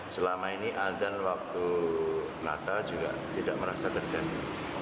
selama ini aldan waktu natal juga tidak merasa terganggu